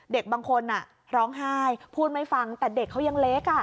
เด็กบางคนร้องไห้พูดไม่ฟังแต่เด็กเขายังเล็ก